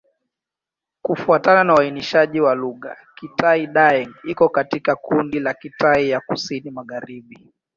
Kufuatana na uainishaji wa lugha, Kitai-Daeng iko katika kundi la Kitai ya Kusini-Magharibi.